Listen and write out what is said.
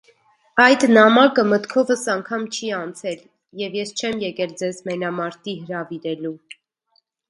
այդ նամակը մտքովս անգամ չի անցել, և ես չեմ եկել ձեզ մենամարտի հրավիրելու: